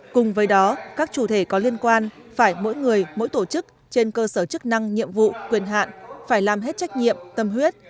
cùng với đó các chủ thể có liên quan phải mỗi người mỗi tổ chức trên cơ sở chức năng nhiệm vụ quyền hạn phải làm hết trách nhiệm tâm huyết